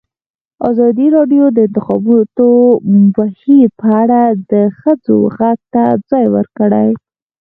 ازادي راډیو د د انتخاباتو بهیر په اړه د ښځو غږ ته ځای ورکړی.